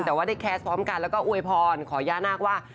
แต่ว่าได้แคสต์พร้อมกันแล้วก็อวยพรขอย่านาคว่า